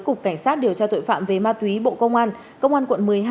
cục cảnh sát điều tra tội phạm về ma túy bộ công an công an quận một mươi hai